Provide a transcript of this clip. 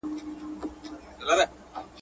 ما یي سرونه تر عزت جارول.